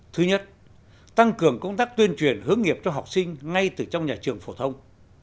thứ nhất tăng cường công tác tuyên truyền hướng nghiệp cho học sinh ngay từ trong nhà trường phổ thông